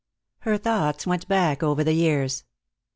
Her thoughts went back over the years.